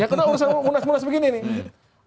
ya kena urusan munas munas begini nih